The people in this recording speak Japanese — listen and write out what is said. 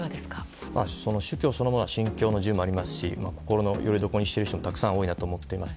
宗教そのものは信教の自由もあるし心のよりどころにしている人は多いなと思っています。